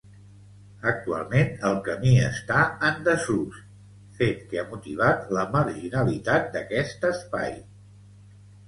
Actualment el camí està en desús, fet que ha motivat la marginalitat d'aquest espai.